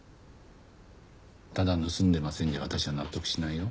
ただ盗んでませんじゃ私は納得しないよ。